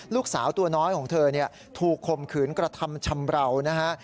ลูกสาวตัวน้อยของเธอถูกคมขืนกระทำชำราวนะฮะ